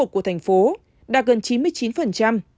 của thành phố đạt gần chín mươi chín